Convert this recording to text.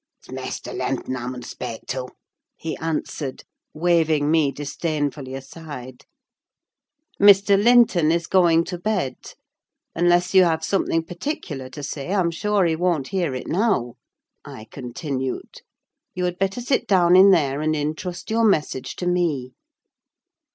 "It's Maister Linton I mun spake to," he answered, waving me disdainfully aside. "Mr. Linton is going to bed; unless you have something particular to say, I'm sure he won't hear it now," I continued. "You had better sit down in there, and entrust your message to me."